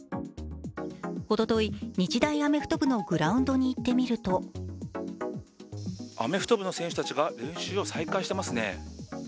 おととい、日大アメフト部のグラウンドに行ってみるとアメフト部の選手たちが練習を再開していますね。